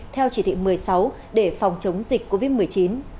theo chỉ thị một mươi sáu để phòng chống dịch covid một mươi chín